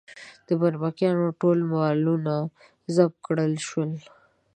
د برمکیانو ټول مالونه ضبط کړل شول.